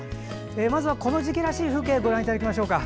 まずはこの時期らしい風景をご覧いただきましょうか。